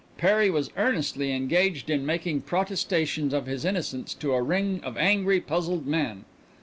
Perry was earnestly engaged in making protestations of his innocence to a ring of angry, puzzled men.